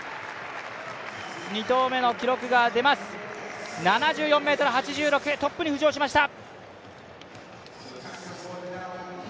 ２投目の記録は７４ｍ８６、トップに浮上しました。